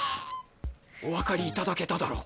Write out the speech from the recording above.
お分かりいただけただろうか。